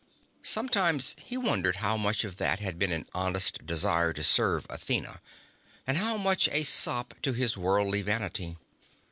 Sometimes he wondered how much of that had been an honest desire to serve Athena, and how much a sop to his worldly vanity.